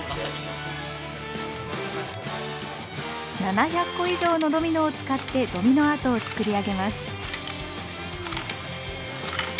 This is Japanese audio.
７００個以上のドミノを使ってドミノアートを作り上げます。